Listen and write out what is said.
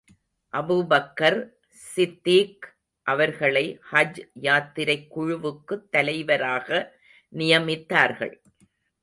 Abu Bakr Siddique அவர்களை ஹஜ் யாத்திரைக் குழுவுக்குத் தலைவராக நியமித்தார்கள்.